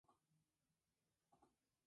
Finalmente se quedó en el club argentino.